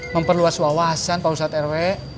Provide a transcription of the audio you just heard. memperluas wawasan pak ustadz rw